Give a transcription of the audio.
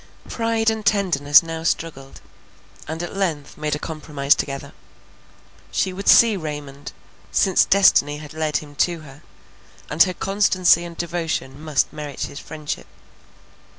Pride and tenderness now struggled, and at length made a compromise together. She would see Raymond, since destiny had led him to her, and her constancy and devotion must merit his friendship.